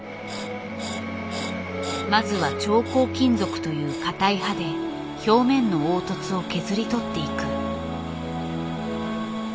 まずは超硬金属という硬い刃で表面の凹凸を削り取っていく。